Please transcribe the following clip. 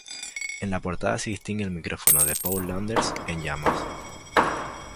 En la portada se distingue el micrófono de Paul Landers en llamas.